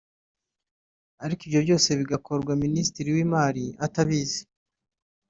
ariko ibyo byose bigakorwa Minisitiri w’Imari atabizi